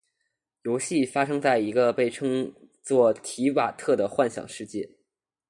游戏发生在一个被称作「提瓦特」的幻想世界。